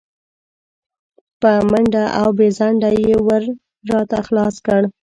په منډه او بې ځنډه یې ور راته خلاص کړ.